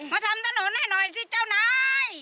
มาทำถนนให้หน่อยสิเจ้านาย